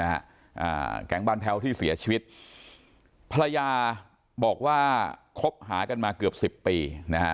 อ่าแก๊งบ้านแพ้วที่เสียชีวิตภรรยาบอกว่าคบหากันมาเกือบสิบปีนะฮะ